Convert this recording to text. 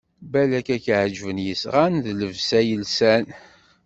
Balak ad k-ɛeǧben yisɣan d llebsa lsan!